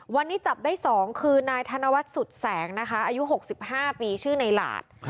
วันนี้จับได้๒คือนายธนวัฒน์สุดแสงนะคะอายุ๖๕ปีชื่อในหลาด